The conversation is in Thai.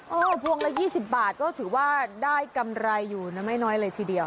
พวงละ๒๐บาทก็ถือว่าได้กำไรอยู่นะไม่น้อยเลยทีเดียว